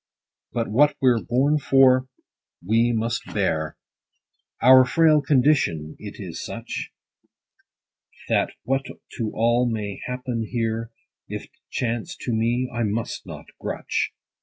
But what we're born for, we must bear : Our frail condition it is such, That what to all may happen here, If't chance to me, I must not grutch.